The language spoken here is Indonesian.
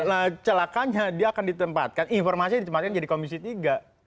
nah celakanya dia akan ditempatkan informasi ditempatkan jadi komisi tiga